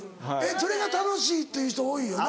それが楽しいっていう人多いよな。